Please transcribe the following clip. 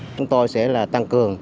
chúng tôi sẽ tăng cường